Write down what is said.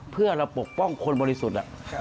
เพื่อเราปกป้องคนบริสุทธิ์